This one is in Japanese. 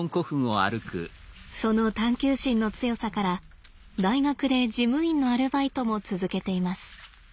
その探究心の強さから大学で事務員のアルバイトも続けています。